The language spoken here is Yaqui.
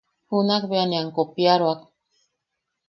Junak bea ne am kopiaroak.